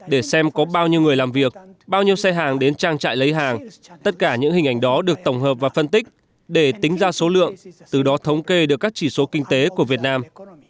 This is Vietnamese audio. để xem có bao nhiêu người làm việc bao nhiêu xe hàng đến trang trại lấy hàng tất cả những hình ảnh đó được tổng hợp và phân tích để tính ra số lượng từ đó thống kê được các chỉ số kinh tế của việt nam